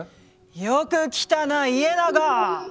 よく来たな家長。